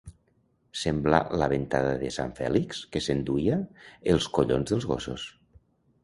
Semblar la ventada de Sant Fèlix, que s'enduia els collons dels gossos.